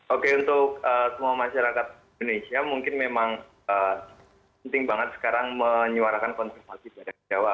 oke untuk semua masyarakat indonesia mungkin memang penting banget sekarang menyuarakan konservasi badak jawa